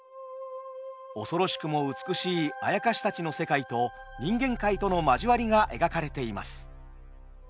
恐ろしくも美しいあやかしたちの世界と人間界との交わりが描かれています。